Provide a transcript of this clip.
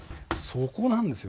そこなんですよ。